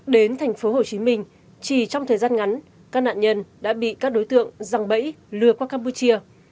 đến tp hcm chỉ trong thời gian ngắn các nạn nhân đã bị các đối tượng răng bẫy lừa qua campuchia